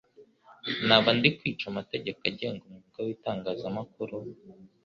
naba ndi kwica amategeko agenga umwuga w'itangazamakuru,